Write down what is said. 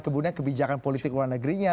kemudian kebijakan politik luar negerinya